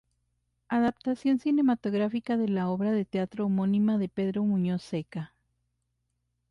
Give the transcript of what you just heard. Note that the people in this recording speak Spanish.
Adaptación cinematográfica de la obra de teatro homónima de Pedro Muñoz Seca.